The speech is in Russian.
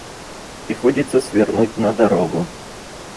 Приходится свернуть на дорогу.